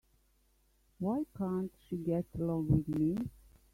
Why can't she get along with me?